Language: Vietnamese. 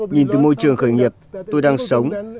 nhìn từ môi trường khởi nghiệp tôi đang sống